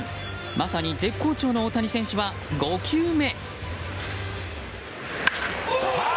まさに絶好調の大谷選手は５球目。